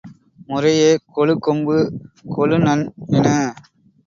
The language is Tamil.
முறையே கொழுகொம்பு, கொழுநன் என